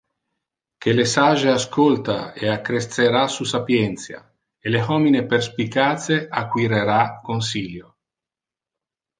Que le sage ascolta e accrescera su sapientia, e le homine perspicace acquirera consilio.